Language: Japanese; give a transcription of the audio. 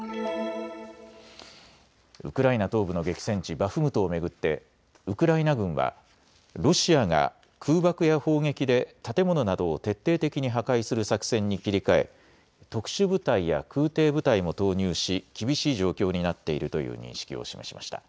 ウクライナ東部の激戦地、バフムトを巡ってウクライナ軍はロシアが空爆や砲撃で建物などを徹底的に破壊する作戦に切り替え特殊部隊や空てい部隊も投入し厳しい状況になっているという認識を示しました。